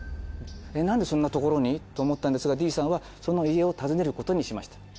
えっなんでそんなところに？と思ったんですがＤさんはその家を訪ねることにしました。